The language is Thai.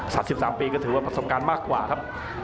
สัก๑๓ปีก็ถือว่าผสมการมากกว่าครับ